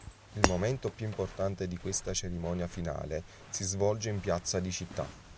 Il momento più importante di questa cerimonia finale si svolge in piazza di Città.